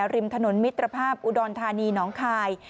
ริมถนนมิตรภาพอุดรธานีน้องคาย